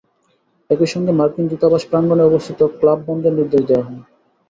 একই সঙ্গে মার্কিন দূতাবাস প্রাঙ্গণে অবস্থিত ক্লাব বন্ধের নির্দেশ দেওয়া হয়।